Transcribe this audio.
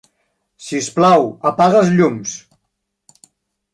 Sisplau, apaga els llums.